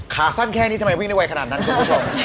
ขาสั้นแค่นี้ทำไมวิ่งได้ไวขนาดนั้นคุณผู้ชม